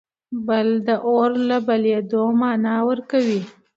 بل د اور له بلېدلو مانا ورکوي.